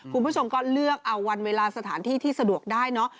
คุณผู้ชมก็เลือกเอาวันเวลาสถานที่ที่สะดวกได้เนอะ